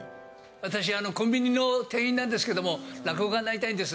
私、コンビニの店員なんですけれども、落語家になりたいんです。